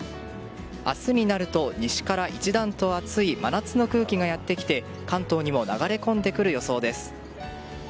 明日になると西から一段と暑い真夏の空気が入り関東にも流れ込んでくる予想です。